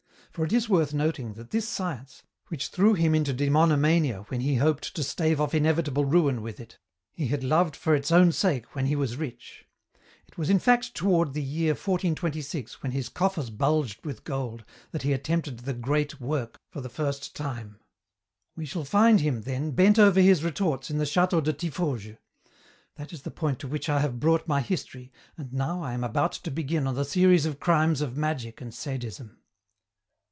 For it is worth noting that this science, which threw him into demonomania when he hoped to stave off inevitable ruin with it, he had loved for its own sake when he was rich. It was in fact toward the year 1426, when his coffers bulged with gold, that he attempted the 'great work' for the first time. "We shall find him, then, bent over his retorts in the château de Tiffauges. That is the point to which I have brought my history, and now I am about to begin on the series of crimes of magic and sadism."